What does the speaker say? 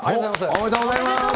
おめでとうございます。